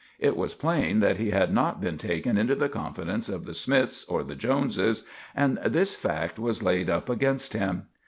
It was plain that he had not been taken into the confidence of the Smiths or the Joneses, and this fact was laid up against him.